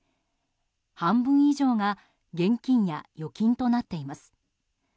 半分以上が現金や預金となっています。